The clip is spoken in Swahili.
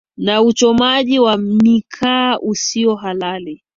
na uchomaji wa mikaa usiohalali